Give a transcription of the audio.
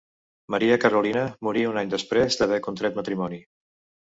Maria Carolina morí un any després d'haver contret matrimoni.